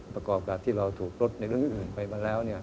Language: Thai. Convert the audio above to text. ประกอบกับที่เราถูกลดในเรื่องอื่นไปมาแล้ว